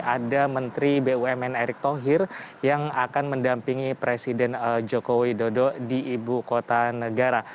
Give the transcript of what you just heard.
ada menteri bumn erick thohir yang akan mendampingi presiden joko widodo di ibu kota negara